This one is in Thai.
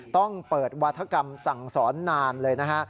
ต้องเปิดวาธกรรมสั่งสอนนานเลยนะฮะ